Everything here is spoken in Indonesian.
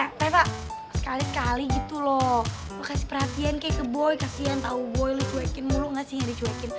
eh peva sekali kali gitu loh lo kasih perhatian ke boy kasian tau boy dicuekin mulu gak sih yang dicuekin